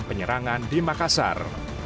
penyerangan di makassar